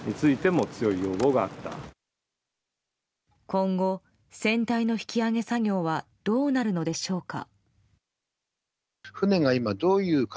今後、船体の引き揚げ作業はどうなるのでしょうか？